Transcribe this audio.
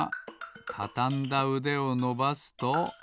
たたんだうでをのばすと。